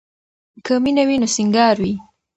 که مینه وي نو سینګار وي.